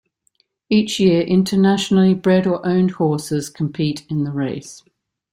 Each year internationally bred or owned horses compete in the race.